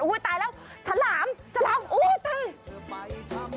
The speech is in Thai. อุ๊ยตายแล้วฉลามฉลามอุ๊ยตาย